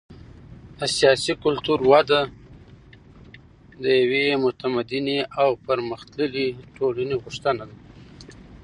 د سیاسي کلتور وده د یوې متمدنې او پرمختللې ټولنې غوښتنه ده.